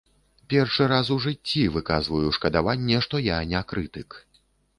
Першы раз у жыцці выказваю шкадаванне, што я не крытык.